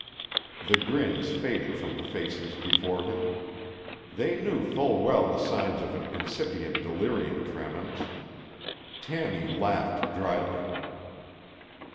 The grins faded from the faces before him. They knew full well the signs of incipient delirium tremens. Tammy laughed dryly.